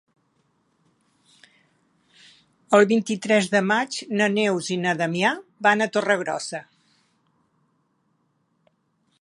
El vint-i-tres de maig na Neus i na Damià van a Torregrossa.